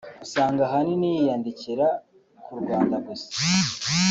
usanga ahanini yiyandikira ku Rwanda gusa